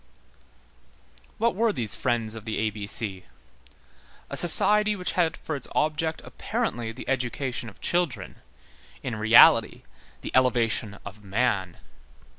What were these Friends of the A B C? A society which had for its object apparently the education of children, in reality the elevation of man.